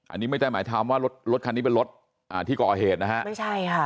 อันนี้ไม่ได้หมายถามว่ารถรถคันนี้เป็นรถที่ก่อเหตุนะฮะ